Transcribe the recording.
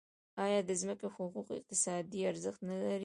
آیا د ځمکې حقوق اقتصادي ارزښت نلري؟